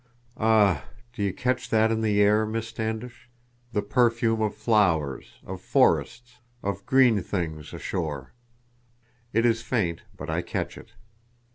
Ah, do you catch that in the air, Miss Standish—the perfume of flowers, of forests, of green things ashore? It is faint, but I catch it."